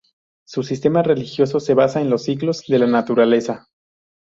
Su sistema religioso se basa en los ciclos de la naturaleza.